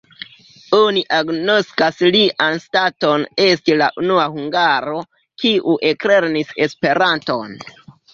Oni agnoskas lian staton esti la unua hungaro, kiu eklernis Esperanton.